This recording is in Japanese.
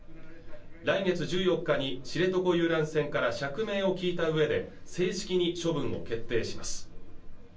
来月１４日に知床遊覧船から釈明を聞いたうえで正式に処分を決定します